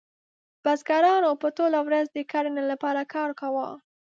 بزګرانو به ټوله ورځ د کرنې لپاره کار کاوه.